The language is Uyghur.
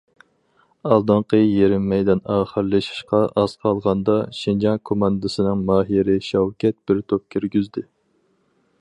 ئالدىنقى يېرىم مەيدان ئاخىرلىشىشقا ئاز قالغاندا، شىنجاڭ كوماندىسىنىڭ ماھىرى شاۋكەت بىر توپ كىرگۈزدى.